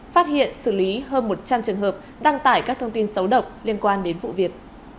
phát hiện xử lý hơn một trăm linh trường hợp đăng tải các thông tin xấu độc liên quan đến vụ việc